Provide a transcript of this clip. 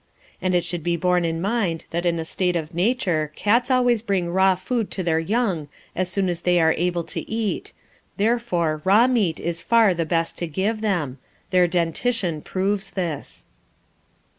And it should be borne in mind that in a state of nature cats always bring raw food to their young as soon as they are able to eat; therefore raw meat is far the best to give them their dentition proves this.